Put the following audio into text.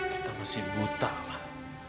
kita masih buta pak